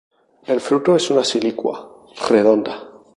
El fruto es una silicua redonda.